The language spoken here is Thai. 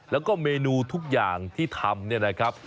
แล้วก็เมนูทุกอย่างที่ทำเนี่ยนะครับ